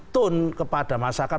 tune kepada masyarakat